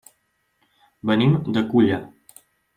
Venim de Culla.